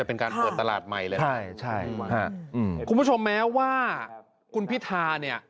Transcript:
จะเป็นการเปิดตลาดใหม่เลยนะครับคุณผู้ชมแม้ว่าคุณพิธาเนี่ย